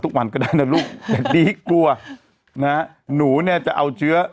ทุกวันก็ได้นะลูกแบบนี้กลัวน่ะหนูเนี้ยจะเอาเชื้อ